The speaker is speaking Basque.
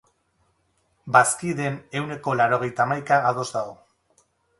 Bazkideen ehuneko laurogeita hamaika ados dago.